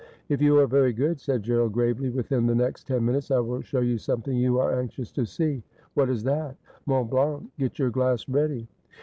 ' If you are very good,' said Gerald gravely, ' within the next ten minutes I will show you something you are anxious to see.' ' What is that ?'' Mont Blanc. Get your glass ready.'